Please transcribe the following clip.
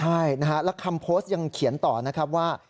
ใช่นะฮะแล้วคำโพสต์ยังเขียนต่อนะครับว่า